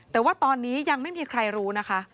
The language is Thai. แต่ว่าตอนนี้ยังไม่มีใครรู้นะคะ